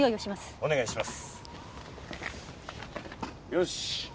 よし。